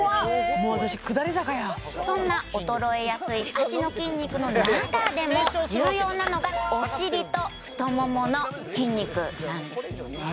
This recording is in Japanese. もう私下り坂やそんな衰えやすい脚の筋肉の中でも重要なのがなんですよね